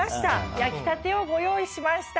焼きたてをご用意しました。